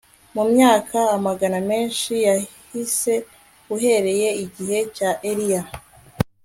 Mu myaka amagana menshi yahise uhereye igihe cya Eliya